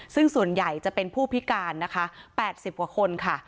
ซึ่งส่วนใหญ่จะเป็นผู้พิการนะคะ๘๐กว่าคนค่ะ